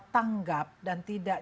tanggap dan tidak